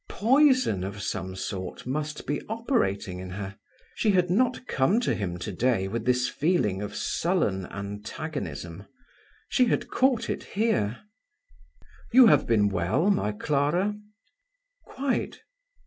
Poison of some sort must be operating in her. She had not come to him to day with this feeling of sullen antagonism; she had caught it here. "You have been well, my Clara?" "Quite."